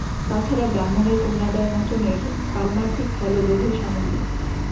তা ছাড়া ব্রাহ্মণের কন্যাদায়মোচনের পারমার্থিক ফলও লোভের সামগ্রী।